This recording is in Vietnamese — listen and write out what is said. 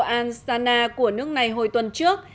astana của nước này hồi tuần trước